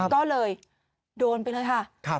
ก็เลยโดนไปเลยค่ะ